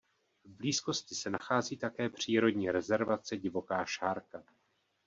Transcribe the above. V blízkosti se nachází také přírodní rezervace Divoká Šárka.